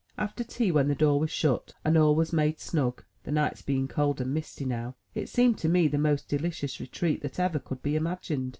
After tea, when the door was shut and all was made snug (the nights being cold and misty now) it seemed to me the most 104 THE TREASURE CHEST delicious retreat that could ever be imagined.